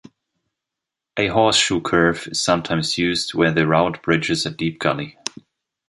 A horseshoe curve is sometimes used where the route bridges a deep gully.